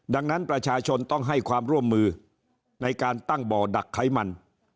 ดังนั้นประชาชนต้องให้ความร่วมมือในการตั้งบ่อดักไขมัน